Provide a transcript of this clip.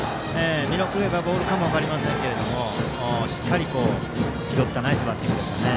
見送ればボールかも分かりませんけどもしっかり拾ったナイスバッティングでした。